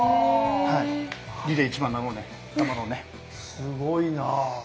すごいな。